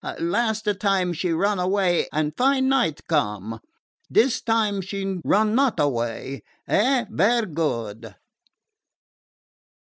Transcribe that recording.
Last a time she run away, an' fine night come. Dis time she run not away. Eh? Vaire good."